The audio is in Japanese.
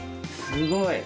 すごい！